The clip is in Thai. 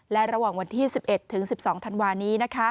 และระหว่างวันที่๑๑ถึง๑๒ธันวานี้